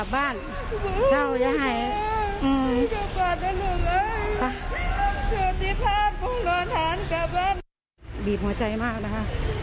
บีบหัวใจมากนะคะ